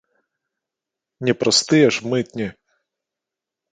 Не праз тыя ж мытні?